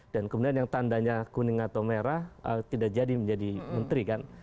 kemudian yang tandanya kuning atau merah tidak jadi menjadi menteri kan